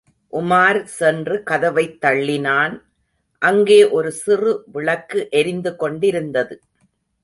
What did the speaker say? உமார் சென்று கதவைத் தள்ளினான், அங்கே ஒரு சிறு விளக்கு எரிந்து கொண்டிருந்தது.